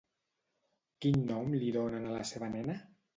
Quin nom li donen a la seva nena?